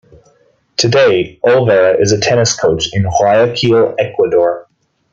Today, Olvera is a tennis coach in Guayaquil, Ecuador.